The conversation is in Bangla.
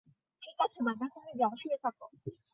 ঠিক আছে বাবা, তুমি যাও, শুয়ে থাক।